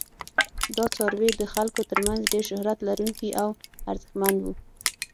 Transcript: دا څاروي د خلکو تر منځ ډیر شهرت لرونکي او ارزښتمن وو.